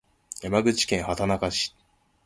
山口県畑中市